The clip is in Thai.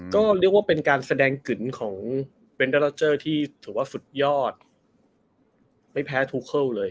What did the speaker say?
ก็เรียกว่าเป็นการแสดงกึนของเป็นที่ถือว่าสุดยอดไม่แพ้ทุกเข้าเลย